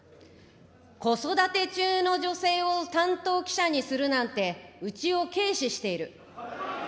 子育て中の女性を担当記者にするなんて、うちを軽視している。